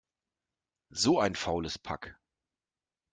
So ein faules Pack!